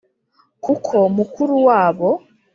Kuko mukuru wabo